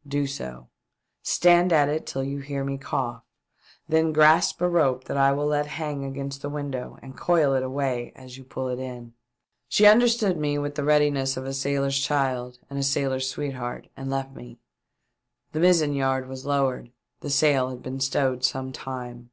" Do so ; stand at it till you hear me cough. Then grasp a rope that I will let hang against the window and coil it away as you pull it in." 474 THE DEATH SHIP. She understood me with the readiness of a sailor's child and a sailor's sweetheart, and left me. The mizzen yard was lowered ; the sail had been stowed some time.